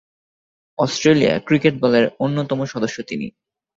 Australia cricket দলের অন্যতম সদস্য তিনি।